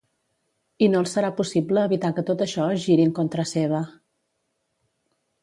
I no els serà possible evitar que tot això es giri en contra seva.